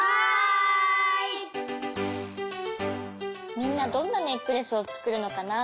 みんなどんなネックレスをつくるのかな。